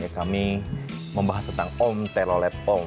kami membahas tentang om telolet om